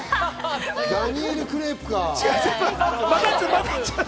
ダニエル・クレープか。